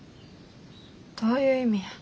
どういう意味や。